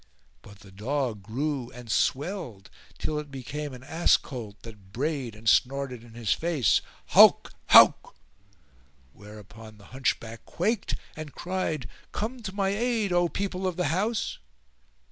[FN#420] But the dog grew and swelled till it became an ass colt that brayed and snorted in his face "Hauk! Hauk!" [FN#421] Whereupon the Hunchback quaked and cried, "Come to my aid, O people of the house!"